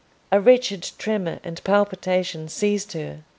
A wretched tremor and palpitation seized her.